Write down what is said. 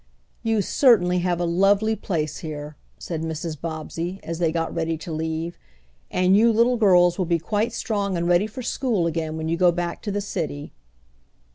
"You certainly have a lovely place here," said Mrs. Bobbsey, as they got ready to leave, "and you little girls will be quite strong and ready for school again when you go back to the city."